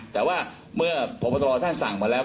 แต่ว่าเมื่อพบตรท่านสั่งมาแล้ว